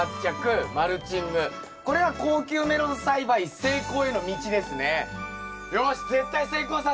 これが高級メロン栽培成功への道ですね。